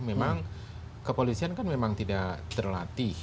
memang kepolisian kan memang tidak terlatih